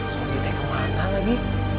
sobri teh kemana lagi